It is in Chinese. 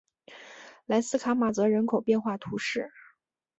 莱斯卡马泽人口变化图示